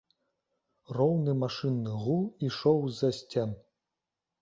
Роўны машынны гул ішоў з-за сцен.